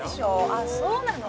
あっそうなの？